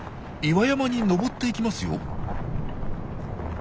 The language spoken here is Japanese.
岩山に登っていきますよ。